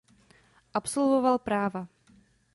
Absolvoval práva.